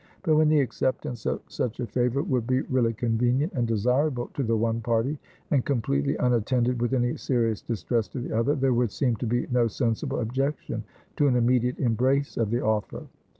But when the acceptance of such a favor would be really convenient and desirable to the one party, and completely unattended with any serious distress to the other; there would seem to be no sensible objection to an immediate embrace of the offer.